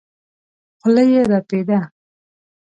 خوله يې رپېده.